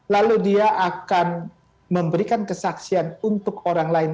lalu dia akan memberikan kesaksian untuk orang lain